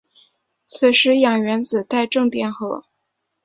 此时氧原子带正电荷。